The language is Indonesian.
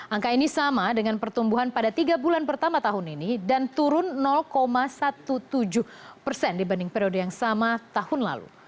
angka ini sama dengan pertumbuhan pada tiga bulan pertama tahun ini dan turun tujuh belas persen dibanding periode yang sama tahun lalu